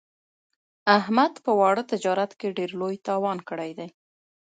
احمد په واړه تجارت کې ډېر لوی تاوان کړی دی.